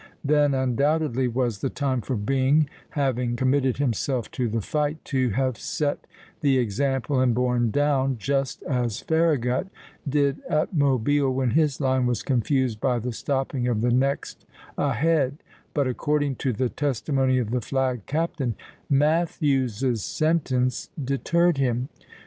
Then undoubtedly was the time for Byng, having committed himself to the fight, to have set the example and borne down, just as Farragut did at Mobile when his line was confused by the stopping of the next ahead; but according to the testimony of the flag captain, Matthews's sentence deterred him.